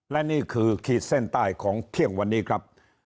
และนี่คือขีดเส้นใต้ของเที่ยงวันนี้ครับ